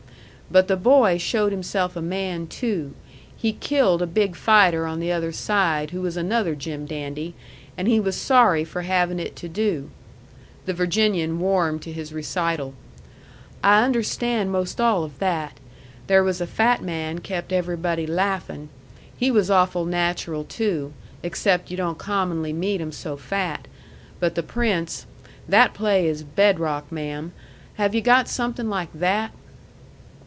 But the boy showed himself a man too. He killed a big fighter on the other side who was another jim dandy and he was sorry for having it to do." The Virginian warmed to his recital. "I understand most all of that. There was a fat man kept everybody laughing. He was awful natural too; except yu' don't commonly meet 'em so fat. But the prince that play is bed rock, ma'am! Have you got something like that?"